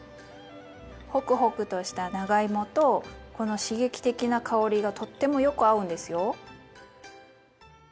ホクホクとした長芋とこの刺激的な香りがとってもよく合うんですよ。